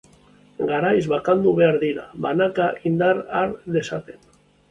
Garaiz bakandu behar dira, banaka, indar har dezaten.